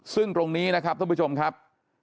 ซึ่งตรงนี้นะครับท่านผู้ชมครับ